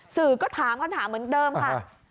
สื่อก็ถามคำถามเหมือนเดิมค่ะ